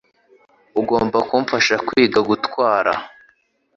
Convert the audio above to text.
Ugomba kumfasha kwiga gutwara